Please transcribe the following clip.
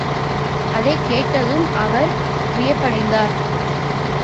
அதைக் கேட்டதும் அவர் வியப்படைந்தார்.